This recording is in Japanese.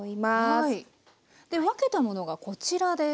分けたものがこちらです。